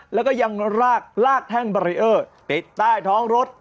แล้วก็ยังลากแท่งบารีเออร์ติดใต้ท้องรถ